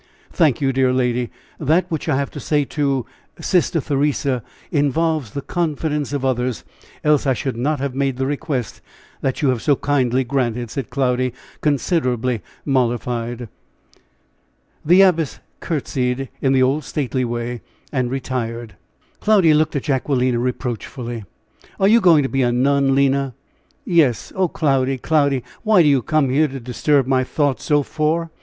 "Thank you, dear lady that which I have to say to Sister Theresa involves the confidence of others: else I should not have made the request that you have so kindly granted," said Cloudy, considerably mollified. The Abbess curtsied in the old stately way, and retired. Cloudy looked at Jacquelina reproachfully. "Are you going to be a nun, Lina?" "Yes. Oh, Cloudy, Cloudy! what do you come here to disturb my thoughts so for?